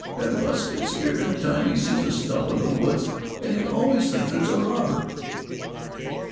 Ben Rusk gets scared every time he sees a stump in the woods, and he always thinks it's a robber."